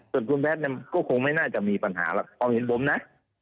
ส่วนคุณแพทย์ก็คงไม่น่าจะมีปัญหาหรอกความเห็นผมนะ